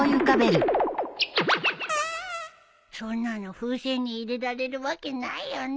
そんなの風船に入れられるわけないよね。